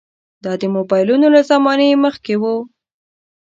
دا د موبایلونو له زمانې مخکې وو.